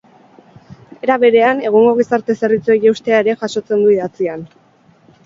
Era berean, egungo gizarte zerbitzuei eustea ere jasotzen du idatzian.